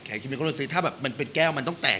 แข่คิมิโครนิสิต์ถ้ามันเป็นแก้วมันต้องแตก